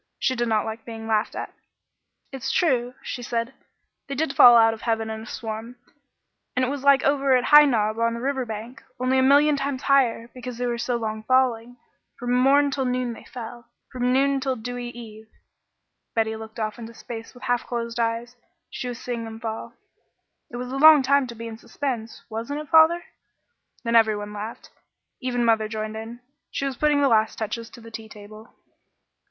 She did not like being laughed at. "It's true," she said; "they did fall out of heaven in a swarm, and it was like over at High Knob on the river bank, only a million times higher, because they were so long falling. 'From morn till noon they fell, from noon till dewy eve.'" Betty looked off into space with half closed eyes. She was seeing them fall. "It was a long time to be in suspense, wasn't it, father?" Then every one laughed. Even mother joined in. She was putting the last touches to the tea table.